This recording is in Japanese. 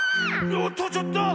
おっとちょっと！